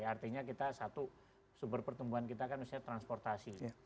artinya kita satu sumber pertumbuhan kita kan misalnya transportasi